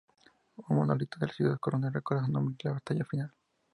Un monolito en la ciudad de Coronel recuerda su nombre y la batalla final.